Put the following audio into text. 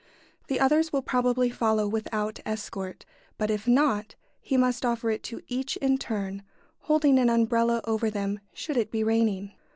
The others will probably follow without escort, but if not, he must offer it to each in turn, holding an umbrella over them should it be raining.